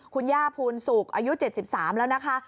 คุณย่าภูลศุกร์อายุ๗๓แล้วนะคะ